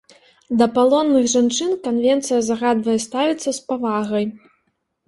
Да палонных жанчын канвенцыя загадвае ставіцца з павагай.